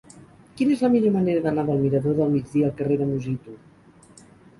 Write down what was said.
Quina és la millor manera d'anar del mirador del Migdia al carrer de Musitu?